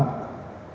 yang diajukan oleh